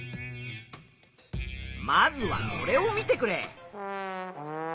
まずはこれを見てくれ。